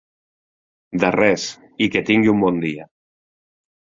De res i que tingui un bon dia.